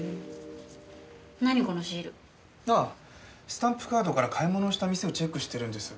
スタンプカードから買い物した店をチェックしてるんです。